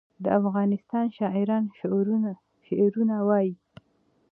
د افغانستان شاعران شعرونه وايي